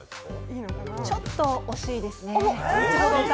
ちょっと惜しいですね。